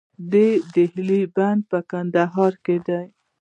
د دهلې بند په کندهار کې دی